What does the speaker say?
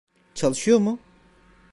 Çalışıyor mu?